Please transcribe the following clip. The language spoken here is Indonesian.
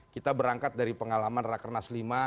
kita berangkat dari pengalaman rakernas lima